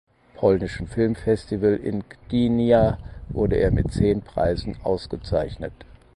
Polnischen Filmfestival in Gdynia wurde er mit zehn Preisen ausgezeichnet.